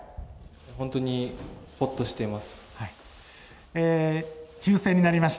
本当にホッとしています。